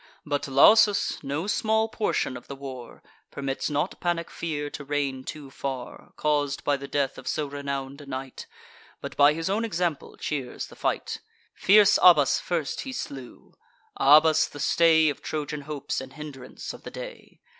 But Lausus, no small portion of the war, Permits not panic fear to reign too far, Caus'd by the death of so renown'd a knight; But by his own example cheers the fight. Fierce Abas first he slew; Abas, the stay Of Trojan hopes, and hindrance of the day.